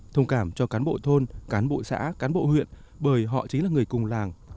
thông cảm cho cán bộ thôn cán bộ xã cán bộ huyện bởi họ chính là người cùng làng